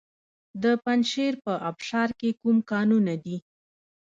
د پنجشیر په ابشار کې کوم کانونه دي؟